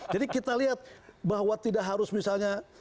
jadi kita lihat bahwa tidak harus misalnya